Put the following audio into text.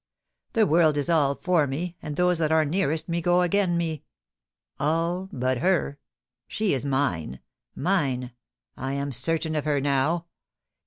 The world is all for me, and those that are nearest me go agen me. ... All but her. She is mine — mine — I am certain of her now.